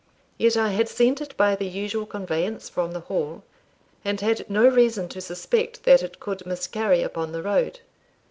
Yet I had sent it by the usual conveyance from the Hall, and had no reason to suspect that it could miscarry upon the road.